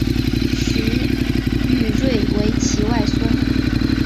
许育瑞为其外孙。